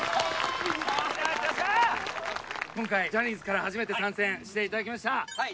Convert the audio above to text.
今回ジャニーズから初めて参戦していただきました。